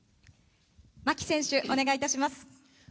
牧選手、お願いいたします。